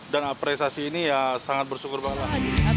dan apresiasi ini ya sangat bersyukur banget